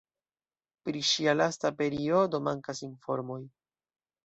Pri ŝia lasta periodo mankas informoj.